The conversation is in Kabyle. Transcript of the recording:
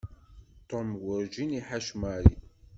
Tom werǧin i iḥac Mary.